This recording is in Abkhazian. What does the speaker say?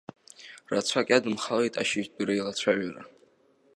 Рацәак иадымхалеит ашьыжьтәи реилацәажәара.